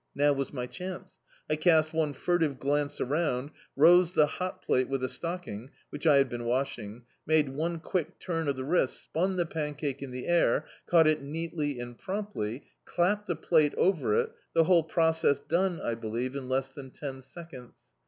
Now was my chance. I cast one furtive glance around, rose the hot plate with a stocking, which 1 had been washing, made one quick tum of the wrist, spun the pancake in the air, cau^t it neatly and promptly, clapped the plate over it — the whole process dcme, I believe, in less than ten seconds.